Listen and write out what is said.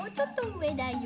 上だよ。